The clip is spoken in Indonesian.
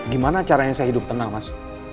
gimana caranya saya hidup tenang mas